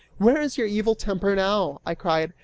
"Where is your evil temper now?" I cried.